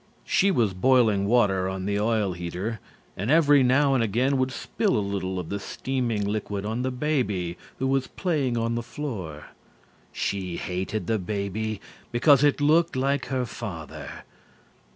She was boiling water on the oil heater and every now and again would spill a little of the steaming liquid on the baby who was playing on the floor. She hated the baby because it looked like her father.